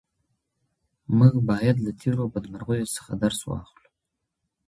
موږ باید له تېرو بدمرغیو څخه درس واخلو.